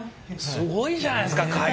すごいじゃないですか会長。